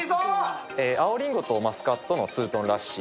青リンゴとマスカットのツートンラッシー